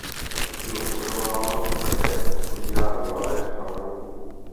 Bylo pozorováno také pojídání larev a brouků.